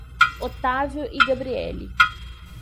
Otávio e Gabrielly